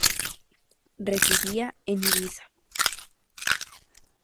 Residía en Ibiza.